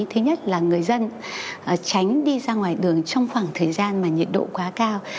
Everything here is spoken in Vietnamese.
thứ nhất là người dân tránh đi ra ngoài đường trong khoảng thời gian mà nhiệt độ quá cao